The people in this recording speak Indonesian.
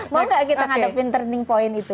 mau gak kita ngadepin turning point itu gitu ya